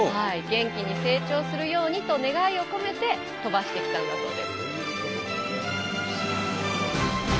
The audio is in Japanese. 元気に成長するようにと願いを込めて飛ばしてきたんだそうです。